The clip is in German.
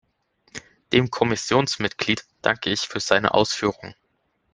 Dem Kommissionsmitglied danke ich für seine Ausführungen.